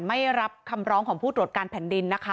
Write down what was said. ไม่รับคำร้องของผู้ตรวจการแผ่นดินนะคะ